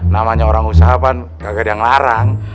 namanya orang usaha kan gak ada yang larang